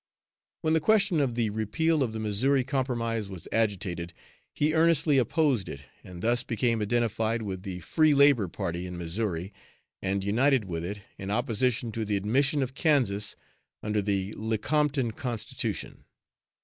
When the question of the repeal of the Missouri Compromise was agitated, he earnestly opposed it, and thus became identified with the "free labor" party in Missouri, and united with it, in opposition to the admission of Kansas under the Lecompton Constitution.